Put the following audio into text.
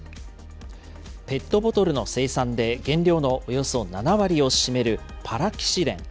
ペットボトルの生産で原料のおよそ７割を占めるパラキシレン。